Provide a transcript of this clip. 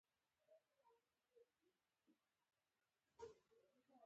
ایا زما هډوکي به ښه شي؟